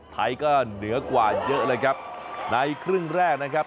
ไทยก็เหนือกว่าเยอะเลยครับในครึ่งแรกนะครับ